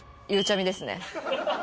ゆうちゃみですね。